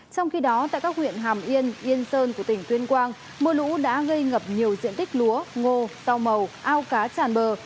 trong khi đó tại các huyện hàm yên yên sơn của tỉnh tuyên quang mưa lũ đã gây ngập nhiều diện tích lúa ngô rau màu ao cá tràn bờ